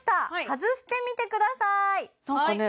外してみてくださいなんかね